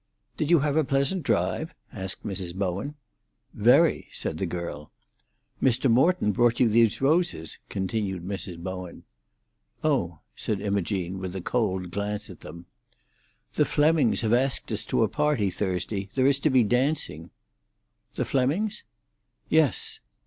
"Did you have a pleasant drive?" asked Mrs. Bowen. "Very," said the girl. "Mr. Morton brought you these roses," continued Mrs. Bowen. "Oh," said Imogene, with a cold glance at them. "The Flemmings have asked us to a party Thursday. There is to be dancing." "The Flemmings?" "Yes."